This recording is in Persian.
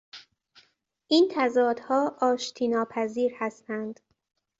این تضادها آشتیناپذیر هستند.